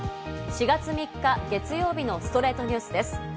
４月３日、月曜日の『ストレイトニュース』です。